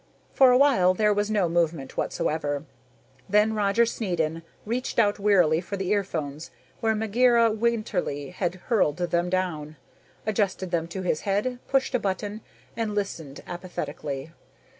For a while, there was no movement whatsoever. Then Roger Snedden reached out wearily for the earphones where Megera Winterly had hurled them down, adjusted them to his head, pushed a button and listened apathetically.